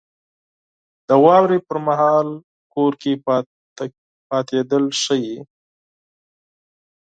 • د واورې پر مهال کور کې پاتېدل ښه وي.